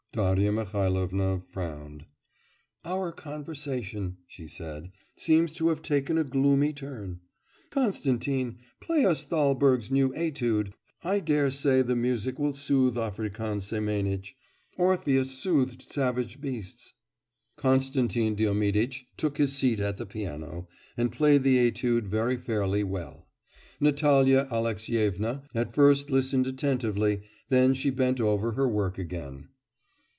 Darya Mihailovna frowned. 'Our conversation,' she said, 'seems to have taken a gloomy turn. Constantin, play us Thalberg's new etude. I daresay the music will soothe African Semenitch. Orpheus soothed savage beasts.' Konstantin Diomiditch took his seat at the piano, and played the étude very fairly well. Natalya Alexyevna at first listened attentively, then she bent over her work again.